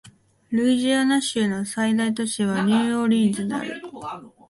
ルイジアナ州の最大都市はニューオーリンズである